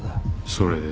それで？